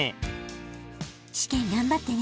試験頑張ってね。